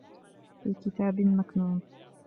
فِي كِتَابٍ مَكْنُونٍ